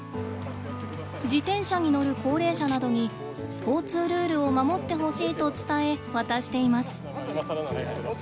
自転車に乗る高齢者などに交通ルールを守ってほしいと伝え渡しています。